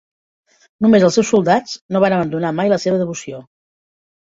Només els seus soldats no van abandonar mai la seva devoció.